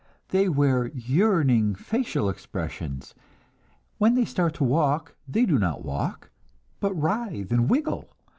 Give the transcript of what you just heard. They wear yearning facial expressions; when they start to walk, they do not walk, but writhe and wiggle.